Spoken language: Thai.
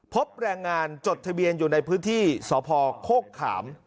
พบแรงงานจดทะเบียนอยู่ในพื้นที่สพโคกขาม